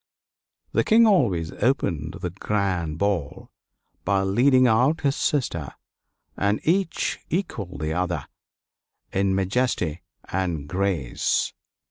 The King always opened the grand ball by leading out his sister, and each equaled the other in majesty and grace.